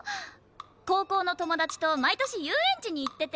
高校の友達と毎年遊園地に行ってて。